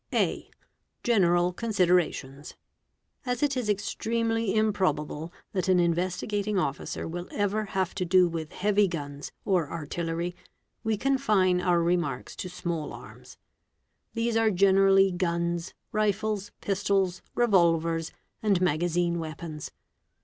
A. General Considerations. As it is extremely improbable that an Investigating Officer will ever have to do with heavy guns or artillery we confine our remarks to sma iP arms. These are generally guns, rifles, pistols, revolvers, and magazine weapons.